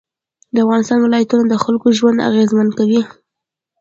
د افغانستان ولایتونه د خلکو ژوند اغېزمن کوي.